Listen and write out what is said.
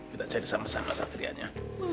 kita cari sama sama satria